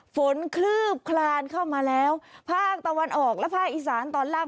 คลืบคลานเข้ามาแล้วภาคตะวันออกและภาคอีสานตอนล่าง